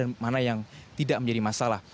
dan mana yang tidak menjadi masalah